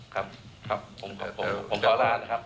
ครับผมขอลานะครับ